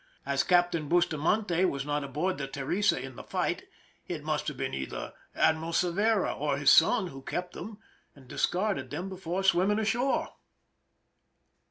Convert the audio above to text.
As Cap tain Bustamante was not aboard the Teresa in the fight, it must have been either Admiral Cervera or his son who kept them, and discarded them before swimming ashore.